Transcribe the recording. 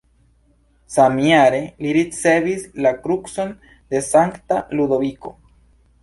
Samjare, li ricevis la krucon de Sankta Ludoviko.